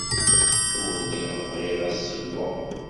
Ur lliɣ bɣiɣ ad d-ssewweɣ.